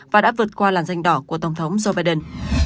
và đã vượt qua làn danh đỏ của tổng thống joe biden